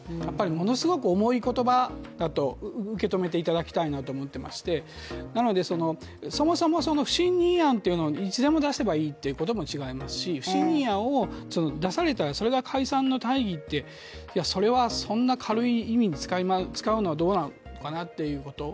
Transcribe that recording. ものすごい重い言葉だと受け止めていただきたいなと思っていまして、なのでそもそも不信任案というのをいつでも出せばいいというのも違いますし不信任案を出された、それが解散の大義って、それはそんな軽い意味に使うのはどうなのかなということ。